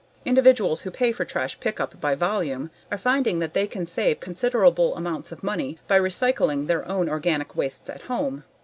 Individuals who pay for trash pickup by volume are finding that they can save considerable amounts of money by recycling their own organic wastes at home.